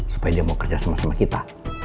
supaya dia mau kerja sama sama kita